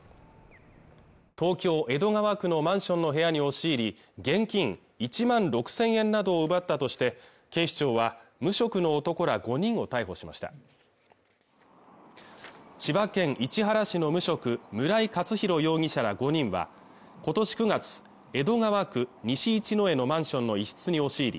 東京・江戸川区のマンションの部屋に押し入り現金１万６０００円などを奪ったとして警視庁は無職の男ら５人を逮捕しました千葉県市原市の無職村井勝宏容疑者ら５人はことし９月江戸川区西一之江のマンションの一室に押し入り